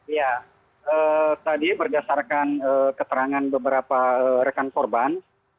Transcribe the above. ya tadi berdasarkan keterangan beberapa rekan korban